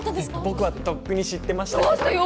僕はとっくに知ってましたどうしてよ！